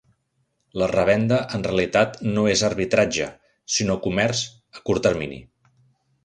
La revenda en realitat no és arbitratge, sinó comerç a curt termini.